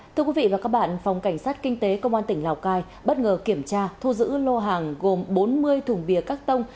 thưa quý vị và các bạn phòng cảnh sát kinh tế công an tỉnh lào cai bất ngờ kiểm tra thu giữ lô hàng gồm bốn mươi thùng bìa các tông